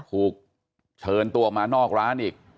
ถูกเชิญตัวออกมานอกร้านอีก